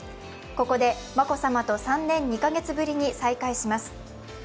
ここで眞子さまと３年２カ月ぶりに再会します。